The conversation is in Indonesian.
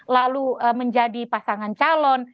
lalu menjadi pasangan calon